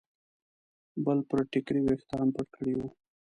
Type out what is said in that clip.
بلې پر ټیکري ویښتان پټ کړي وو.